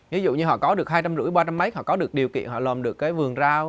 ví dụ như họ có được hai trăm linh rưỡi ba trăm linh mấy họ có được điều kiện họ làm được cái vườn rau